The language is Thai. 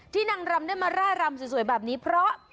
นางรำได้มาร่ายรำสวยแบบนี้เพราะ